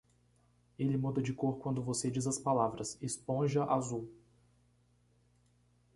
Ele muda de cor quando você diz as palavras "esponja azul".